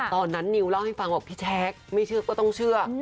ตอนนั้นนิวเล่าให้ฟังบอกพี่แจ๊คไม่เชื่อก็ต้องเชื่อ